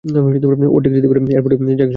ও ট্যাক্সিতে করে এয়ারপোর্টে যাক সেটা চাই না!